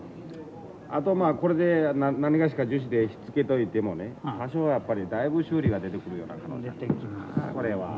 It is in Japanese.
あとまあこれで何がしか樹脂でひっつけといてもね多少はやっぱりだいぶ修理が出てくるような可能性あるなこれは。